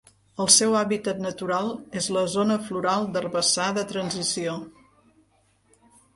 El seu hàbitat natural és la zona floral d'herbassar de transició.